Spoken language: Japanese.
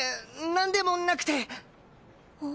なんでもなくて。